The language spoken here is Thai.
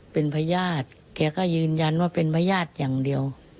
เป็นพญาติแกก็ยืนยันว่าเป็นพญาติอย่างเดียว